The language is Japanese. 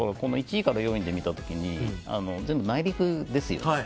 １位から４位で見た時に全部、内陸ですよね。